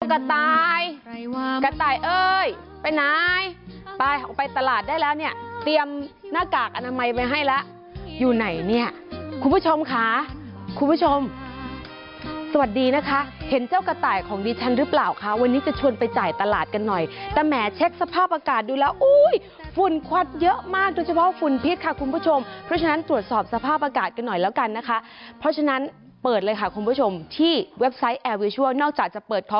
กระต่ายกระต่ายเอ้ยไปไหนไปออกไปตลาดได้แล้วเนี่ยเตรียมหน้ากากอนามัยไปให้แล้วอยู่ไหนเนี่ยคุณผู้ชมค่ะคุณผู้ชมสวัสดีนะคะเห็นเจ้ากระต่ายของดิฉันรึเปล่าค่ะวันนี้จะชวนไปจ่ายตลาดกันหน่อยแต่แหมเช็คสภาพอากาศดูแล้วอุ้ยฝุ่นควัดเยอะมากโดยเฉพาะฝุ่นพิษค่ะคุณผู้ชมเพราะฉะนั้นตรวจสอบสภาพ